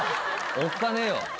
おっかねえよ。